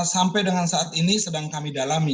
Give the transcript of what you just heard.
sampai dengan saat ini sedang kami dalami